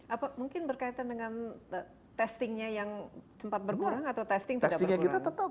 apa mungkin berkaitan dengan testingnya yang sempat berkurang atau testing tidak berkurang